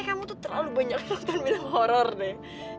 kamu tuh terlalu banyak nonton video horor deh